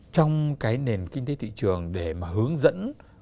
trong cái nền kinh tế thị trường để mà hướng dẫn